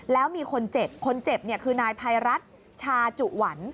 แล้วมีคนเจ็บคนเจ็บเนี่ยคือนายภัยรัฐชาจุหวัน